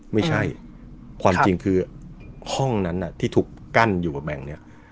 ไม่ใช่ความจริงคือห้องนั้นที่ถูกกั้นอยู่กับแบ่งเนี่ย